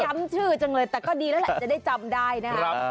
จำชื่อจังเลยแต่ก็ดีแล้วแหละจะได้จำได้นะครับ